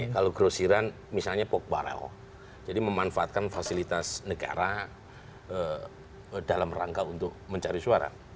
kalau grosiran misalnya pogbarel jadi memanfaatkan fasilitas negara dalam rangka untuk mencari suara